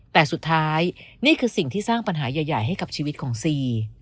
แต่สุดท้ายนี่คือสิ่งที่สร้างปัญหาใหญ่ให้กับชีวิตของซี